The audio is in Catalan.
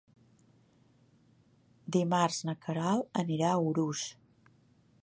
Dimarts na Queralt anirà a Urús.